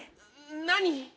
何？